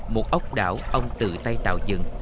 một ốc đảo ông tự tay tạo dựng